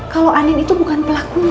bahwa andin itu bukan pelaku pembunuhan roy